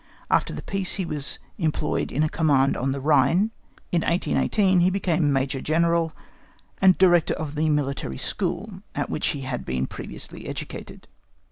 After the Peace, he was employed in a command on the Rhine. In 1818, he became Major General, and Director of the Military School at which he had been previously educated.